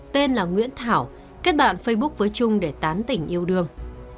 tên là nguyễn thảo kết bạn facebook với trung để tán tỉnh yêu đương